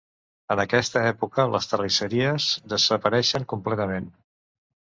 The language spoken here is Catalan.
En aquesta època les terrisseries desapareixen completament.